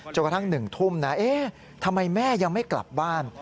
จนกระทั่งหนึ่งทุ่มทำไมแม่ยังไม่กลับบ้าน